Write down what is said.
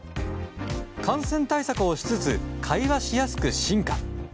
感染対策をしつつ会話しやすく進化。